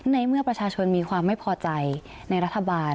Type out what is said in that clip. ในเมื่อประชาชนมีความไม่พอใจในรัฐบาล